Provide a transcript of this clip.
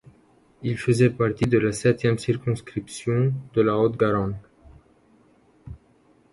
Il faisait partie de la septième circonscription de la Haute-Garonne.